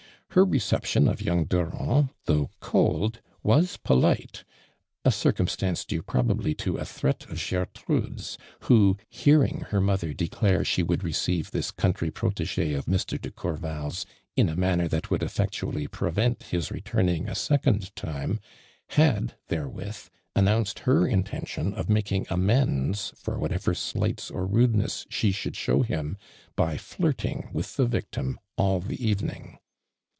Her recfption of young Durand, though cold, was jtolitc, a circumstance due probably to a threat of (Jertrude's, who, heaiing her mother declare she would receive this countiy i>r(iti'</<'^ of Mr. de Courval's in a manner that would effectually prevent his returning a second time, had therewith announced Jier inten tion of milking amends for whatever slights or rudeness she should show him, by flirting with the victim all the evening.